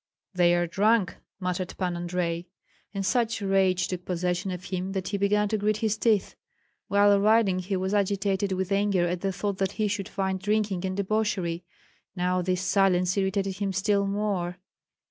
"They are drunk!" muttered Pan Andrei. And such rage took possession of him that he began to grit his teeth. While riding he was agitated with anger at the thought that he should find drinking and debauchery; now this silence irritated him still more.